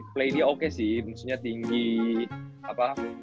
play dia oke sih maksudnya tinggi apa